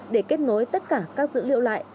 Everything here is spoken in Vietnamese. để kết nối tất cả các dữ liệu lại